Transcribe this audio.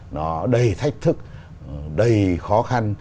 nó đầy thách thức đầy khó khăn